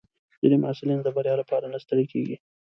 ځینې محصلین د بریا لپاره نه ستړي کېږي.